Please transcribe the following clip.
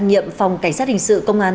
đặc nhiệm phòng cảnh sát hình sự công an